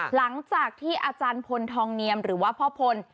หลังจากที่อาจารย์พลทองเนียมหรือว่าพ่อพล